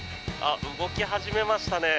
動き始めましたね。